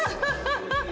ハハハハ！